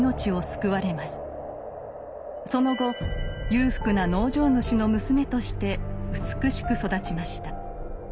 その後裕福な農場主の娘として美しく育ちました。